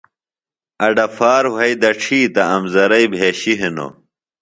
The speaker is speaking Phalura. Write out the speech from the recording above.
اڈہ پھار وھئیۡ دڇھی تہ امزرئیۡ بھیۡشیۡ ہنوۡ